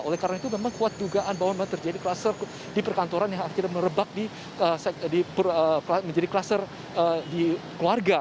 oleh karena itu memang kuat dugaan bahwa memang terjadi kluster di perkantoran yang akhirnya merebak menjadi kluster di keluarga